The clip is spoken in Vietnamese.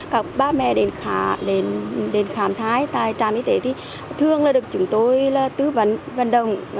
các ba mẹ đến khám thai tại trạm y tế thì thường là được chúng tôi tư vấn vận động